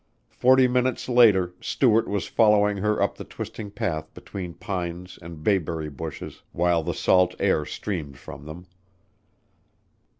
Forty minutes later Stuart was following her up the twisting path between pines and bayberry bushes while the salt water streamed from them.